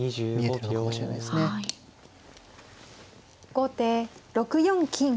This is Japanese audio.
後手６四金。